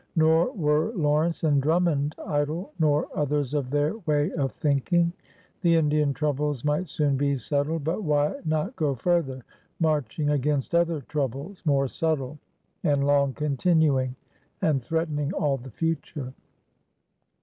Nor were Lawrence and Drummond idle, nor others of their way of thinking. The Indian troubles might soon be set tled, but why not go further, marching against other troubles, more subtle and long continuing, and threatening all the future?